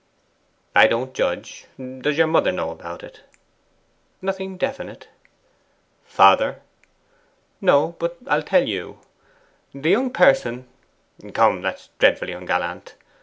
'I don't judge. Does your mother know about it?' 'Nothing definite.' 'Father?' 'No. But I'll tell you. The young person ' 'Come, that's dreadfully ungallant.